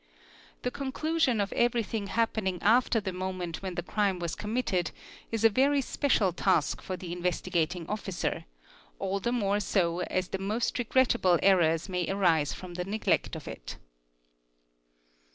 The exclusion of everything happening after the moment when the crime was committed is a very special task for th Investigating Officer, all the more so as the most regrettable error may arise from the neglect of it.